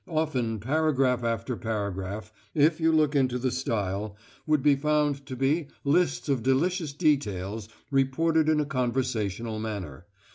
Often paragraph after paragraph, if you look into the style, would be found to be lists of delicious details reported in a conversational manner.